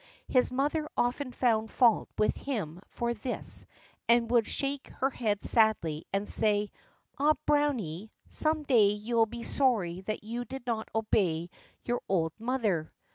His mother often found fault with him for this and would shake her head sadly and say: "Ah, Browny! some day you will be sorry that you did not obey your old mother."